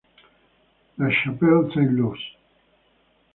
La Chapelle-Saint-Luc